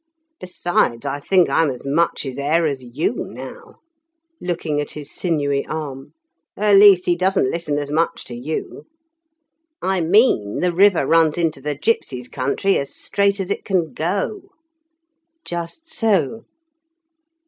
Besides, I think I'm as much his heir as you now" (looking at his sinewy arm); "at least, he doesn't listen as much to you. I mean, the river runs into the gipsies' country as straight as it can go." "Just so."